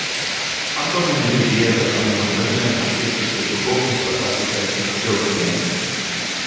Aantal individue wat aan die ontwikkeling van sessies vir bevolkingskapasiteit deelgeneem het.